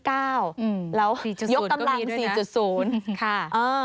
แล้วยกตำรัง๔๐